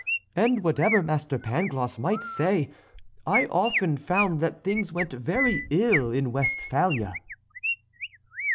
And, whatever Master Pangloss might say, I often found that things went very ill in Westphalia."